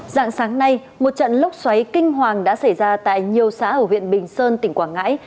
dạng sáng nay một trận lốc xoáy kinh hoàng đã xảy ra tại nhiều xã ở huyện bình sơn tỉnh quảng ngãi